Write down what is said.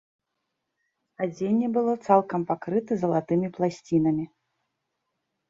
Адзенне была цалкам пакрыта залатымі пласцінамі.